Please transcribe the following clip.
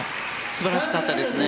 素晴らしかったですね。